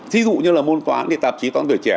thí dụ như là môn toán thì tạp chí toán tuổi trẻ